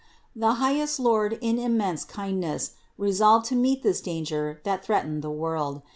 The highest Lord in immense kind ness resolved to meet this danger that threatened the world.